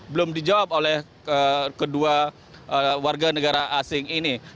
belum dijawab oleh kedua warga negara asing ini